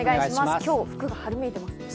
今日は服が春めいていますね。